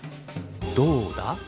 どうだ？